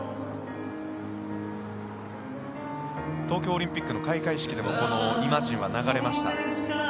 東京オリンピックの開会式でもこの「イマジン」は流れました。